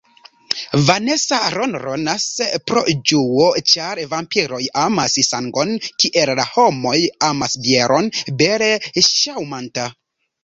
Vanesa ronronas pro ĝuo, ĉar vampiroj amas sangon, kiel homoj amas bieron: bele ŝaŭmanta.